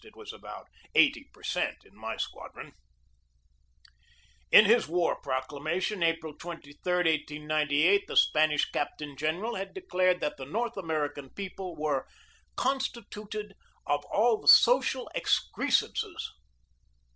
It was about eighty per cent in my squadron. In his war proclamation, April 23, 1898, the Spanish captain general had declared that the North American people were "constituted of all the social excrescences."